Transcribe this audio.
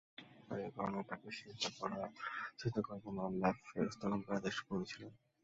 আর এ কারণেই তাকে সিজদা করার জন্য আল্লাহ্ ফেরেশতাগণকে আদেশ করেছিলেন।